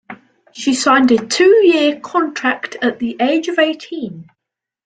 She signed a two-year contract at the age of eighteen.